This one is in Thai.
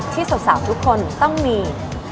ที่สาวทุกคนต้องมี